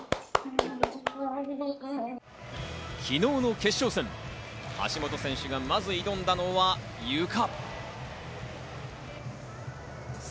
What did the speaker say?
昨日の決勝戦、橋本選手がまず挑んだのは、ゆか。